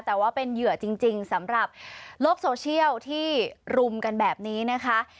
แต่ว่าเป็นเหยื่อจริงสำหรับโลกโซเชียลที่รุมกันแบบนี้นะคะ